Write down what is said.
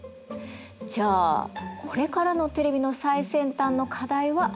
じゃあこれからのテレビの最先端の課題は何だと思う？